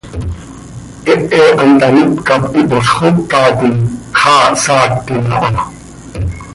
Hehe hant haníp cop ihpozxócatim, xaa hsaactim aha.